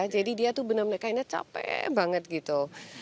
jadi dia itu benar benar kayaknya capek banget gitu